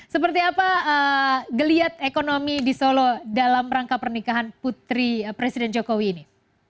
seperti apa geliat ekonomi di solo dalam rangka pernikahan putri presiden jokowi ini